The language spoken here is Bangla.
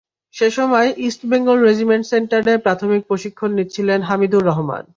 সেই সময় ইস্ট বেঙ্গল রেজিমেন্ট সেন্টারে প্রাথমিক প্রশিক্ষণ নিচ্ছিলেন হামিদুর রহমান।